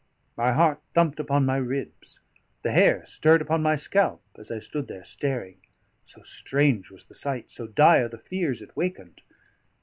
My heart thumped upon my ribs, the hair stirred upon my scalp, as I stood there staring so strange was the sight, so dire the fears it wakened.